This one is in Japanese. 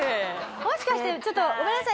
もしかしてちょっとごめんなさい。